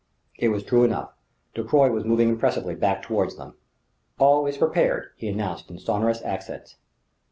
It was true enough: Ducroy was moving impressively back toward them. "All is prepared," he announced in sonorous accents.